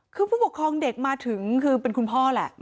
คือผู้ปกครองเด็กมาถึงคือเป็นคุณพ่อแหละ